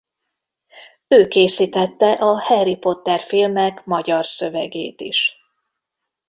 Ő készítette a Harry Potter-filmek magyar szövegét is.